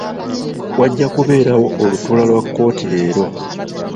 Wajja kubeerawo olutuula lwa kkooti leero.